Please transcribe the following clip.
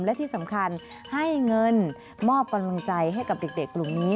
และที่สำคัญให้เงินมอบกำลังใจให้กับเด็กกลุ่มนี้